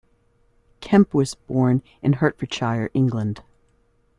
Kemp was born in Hertfordshire, England.